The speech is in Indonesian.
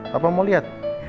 papa mau lihat